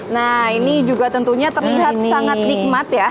nah ini juga tentunya terlihat sangat nikmat ya